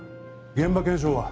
現場検証は？